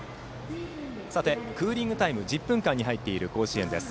クーリングタイム１０分間に入っている甲子園です。